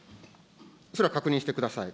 それは確認してください。